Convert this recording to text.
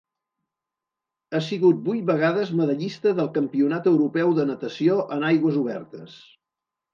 Ha sigut vuit vegades medallista del Campionat europeu de natació en aigües obertes.